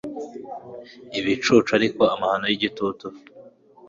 Ibicucu ariko amahano yigitutu